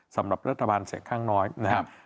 สำหรับรัฐบาลเสียงข้างน้อยนะครับ